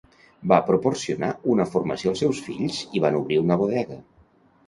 Van proporcionar una formació als seus fills i van obrir una bodega.